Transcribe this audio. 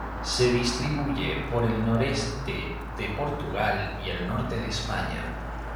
Se distribuye por el noreste de Portugal y el norte de España.